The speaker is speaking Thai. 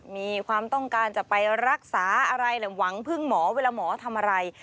มีความต้องการจะไปรักษาอะไรหวังพึ่งหมอเวลาหมอทำอะไร